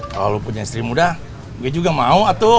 kalau lo punya istri muda gue juga mau atau